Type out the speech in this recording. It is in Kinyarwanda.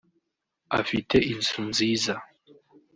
afite inzu nziza